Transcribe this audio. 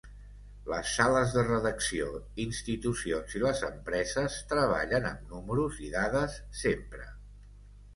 Les sales de redacció, institucions i les empreses treballen amb números i dades sempre.